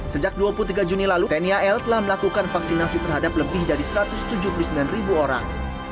sejak dua puluh tiga juni lalu tni al telah melakukan vaksinasi terhadap lebih dari satu ratus tujuh puluh sembilan ribu orang